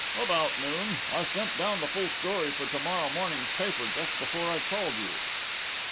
"About noon. I sent down the full story for to morrow morning's paper just before I called you."